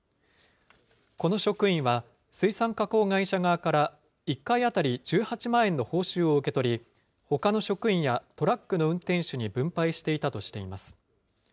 この職員は、水産加工会社側から１回当たり１８万円の報酬を受け取り、ほかの職員やトラックの運転手に分配していたとしています。